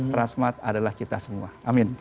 transmart adalah kita semua amin